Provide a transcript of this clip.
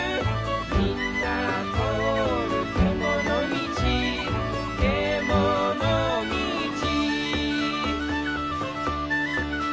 「みんなとおるけものみち」「けものみち」